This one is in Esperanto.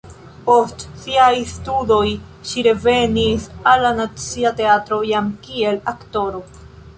Post siaj studoj ŝi revenis al la Nacia Teatro jam kiel aktoro.